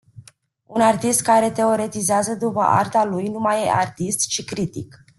Un artist care teoretizează după arta lui nu mai e artist, ci critic.